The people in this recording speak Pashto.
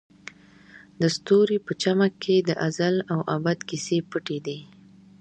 د ستوري په چمک کې د ازل او ابد کیسې پټې دي.